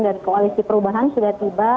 dari koalisi perubahan sudah tiba